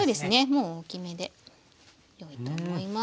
もう大きめでよいと思います。